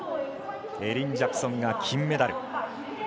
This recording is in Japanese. エリン・ジャクソンが金メダル。